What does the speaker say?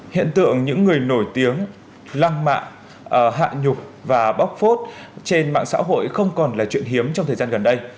hiện tượng những người nổi tiếng lăng mạ hạ nhục và bóc phốt trên mạng xã hội không còn là chuyện hiếm trong thời gian gần đây